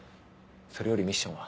それよりミッションは？